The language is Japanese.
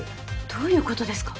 どういうことですか？